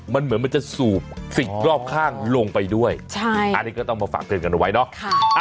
มันเหมือนมันจะสูบสิ่งรอบข้างลงไปด้วยอันนี้ก็ต้องมาฝากเตือนกันเอาไว้เนาะ